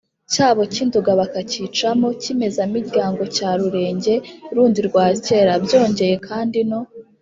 cyabo cy’induga bakacyicamo kimezamiryango cya rurenge rundi rwa kera. byongeye kandi no